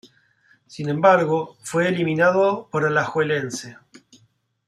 Sin embargo, fue eliminado por Alajuelense.